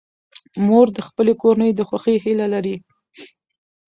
مور د خپلې کورنۍ د خوښۍ هیله لري.